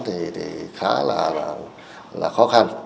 thì khá là khó khăn